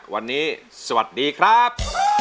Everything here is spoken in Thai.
วันนี้สวัสดีครับ